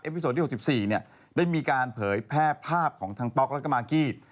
อันดับ๖๔เนี่ยได้มีการเผยแพร่ภาพของทางป๊อกและมาร์กี้